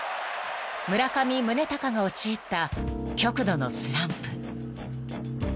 ［村上宗隆が陥った極度のスランプ］